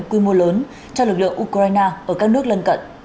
quy mô lớn cho lực lượng ukraine ở các nước lân cận